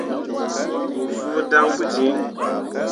Mo fõo dan pu jiŋ.